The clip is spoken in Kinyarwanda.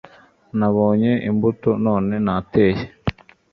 nabonye imbuto none nateye